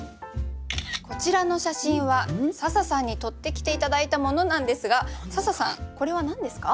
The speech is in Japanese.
こちらの写真は笹さんに撮ってきて頂いたものなんですが笹さんこれは何ですか？